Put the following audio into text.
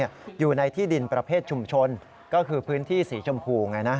อยู่ในที่ดินประเภทชุมชนก็คือพื้นที่สีชมพูไงนะ